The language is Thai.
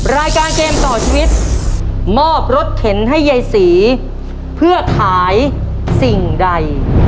รายการเกมต่อชีวิตมอบรถเข็นให้ยายศรีเพื่อขายสิ่งใด